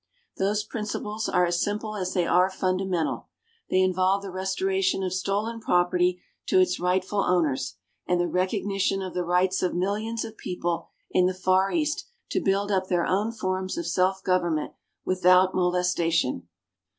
Those principles are as simple as they are fundamental. They involve the restoration of stolen property to its rightful owners, and the recognition of the rights of millions of people in the Far East to build up their own forms of self government without molestation.